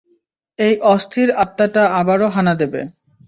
এই অস্থির আত্মাটা আবারো হানা দেবে।